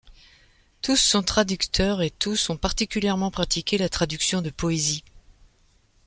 Tous sont traducteurs, et tous ont particulièrement pratiqué la traduction de poésie.